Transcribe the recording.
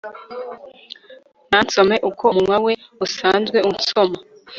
nansome uko umunwa we usanzwe unsoma